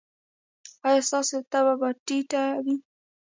ایا ستاسو تبه به ټیټه وي؟